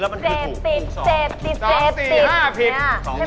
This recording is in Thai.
แล้วมันถูกแล้วสองสี่ห้าผิดใช่ไหมครับ